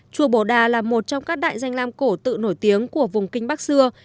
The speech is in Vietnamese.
chùa bồ đà là một trong các đại danh lam cổ tự nổi tiếng của vùng kinh bắc xưa